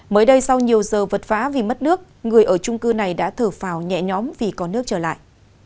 mới đây sau nhiều giờ vật vã vì mất nước người ở trung cư này đã thở phào nhẹ nhóm vì có nước trở lại